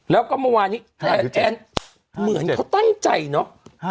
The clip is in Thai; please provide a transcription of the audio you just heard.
แล้วก็เมื่อวานนี้แอนเหมือนเขาตั้งใจเนอะ